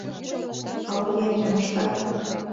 — А ургенже мошта?